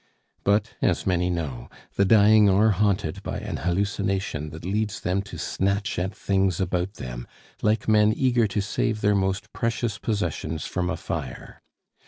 But, as many know, the dying are haunted by an hallucination that leads them to snatch at things about them, like men eager to save their most precious possessions from a fire.